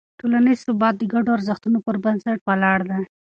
ټولنیز ثبات د ګډو ارزښتونو پر بنسټ ولاړ دی.